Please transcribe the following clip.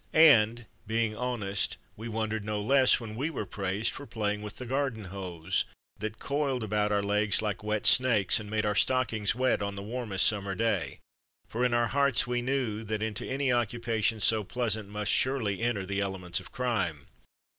And, being honest, we wondered no less when we were praised for playing with the garden hose, that coiled about our legs like wet snakes, and made our stockings wet on the warmest summer day ; for in our hearts we knew that into any occupation so pleasant must surely enter the elements of crime.